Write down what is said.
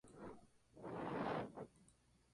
Actualmente acoge la Casa de la Cultura.